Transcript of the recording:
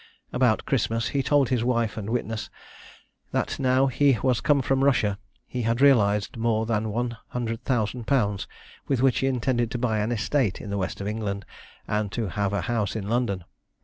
About Christmas he told his wife and witness, that now he was come from Russia he had realised more than 100,000_l_., with which he intended to buy an estate in the west of England, and to have a house in London.